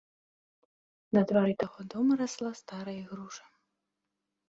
На двары таго дома расла старая ігруша.